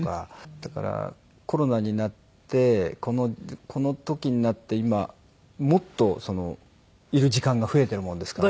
だからコロナになってこの時になって今もっといる時間が増えてるものですから。